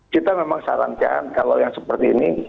kita memang saran saran kalau yang seperti ini